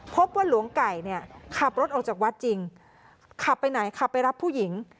พบว่าหลวงไก่เนี่ยขับรถออกจากวัดจริงขับไปไหนขับไปรับผู้หญิง